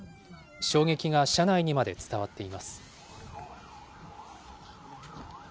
衝撃が車内にまで伝わっています。